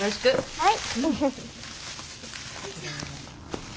はい。